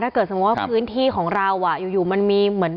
ถ้าเกิดสมมุติว่าพื้นที่ของเราอ่ะอยู่อยู่มันมีเหมือน